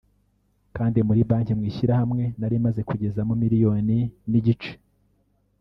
kandi muri banki (mu ishyirahamwe) nari maze kugezamo miliyoni n’igice